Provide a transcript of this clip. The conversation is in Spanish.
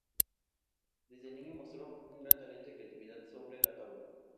Desde niño mostró un gran talento y creatividad sobre la tabla.